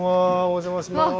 お邪魔します。